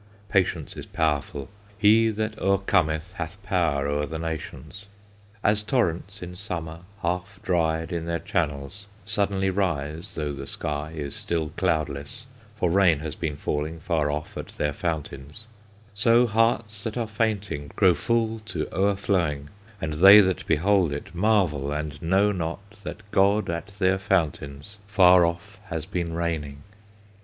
Patience is powerful; He that o'ercometh Hath power o'er the nations! "As torrents in summer, Half dried in their channels, Suddenly rise, though the Sky is still cloudless, For rain has been falling Far off at their fountains; "So hearts that are fainting Grow full to o'erflowing, And they that behold it Marvel, and know not That God at their fountains Far off has been raining!